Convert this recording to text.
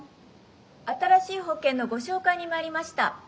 新しい保険のご紹介に参りました」。